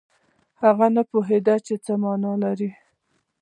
هغه نه پوهېده چې یوه معنا لري.